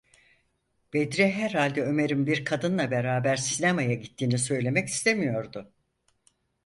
Bedri herhalde Ömer’in bir kadınla beraber sinemaya gittiğini söylemek istemiyordu.